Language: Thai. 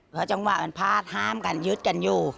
เขาจงว่ามันพาดห้ามกันยึดกันอยู่